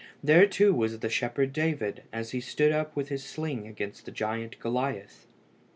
There, too, was the shepherd David, as he stood up with his sling against the giant Goliath.